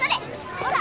ほら。